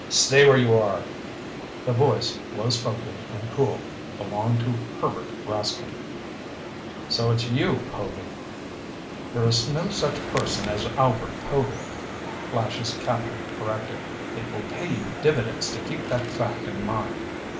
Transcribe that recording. "Stay where you are!" The voice, low spoken and cool, belonged to Herbert Rascomb. "So it's you, Povy?" "There is no such person as Albert Povy," Flash's captor corrected. "It will pay you dividends to keep that fact in mind.